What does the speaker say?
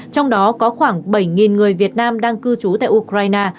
trong đó có khoảng bảy người việt nam đang cư trú tại ukraine